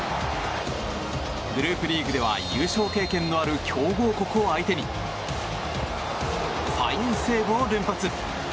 グループリーグでは優勝経験のある強豪国を相手にファインセーブを連発。